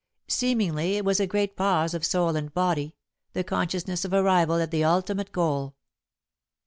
Seemingly it was a great pause of soul and body, the consciousness of arrival at the ultimate goal.